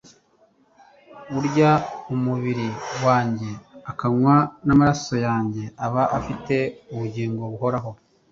Urya umubiri wanjye akanywa n’amaraso yanjye aba afite ubugingo buhoraho,